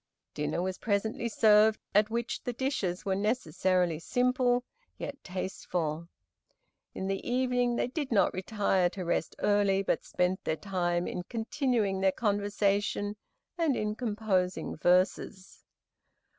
Dinner was presently served, at which the dishes were necessarily simple, yet tasteful. In the evening they did not retire to rest early, but spent their time in continuing their conversation and in composing verses.